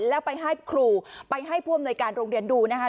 แล้วไปให้ครูไปให้ผู้อำนวยการโรงเรียนดูนะคะ